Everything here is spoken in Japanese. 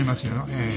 ええ。